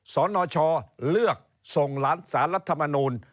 สนชเลือกส่งหลักแสนรัฐมนุน